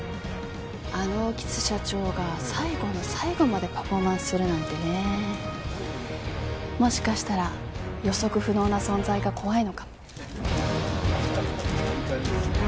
あの興津社長が最後の最後までパフォーマンスするなんてねもしかしたら予測不能な存在が怖いのかも・確かにいい感じですね